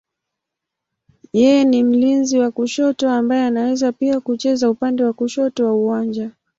Yeye ni mlinzi wa kushoto ambaye anaweza pia kucheza upande wa kushoto wa uwanja.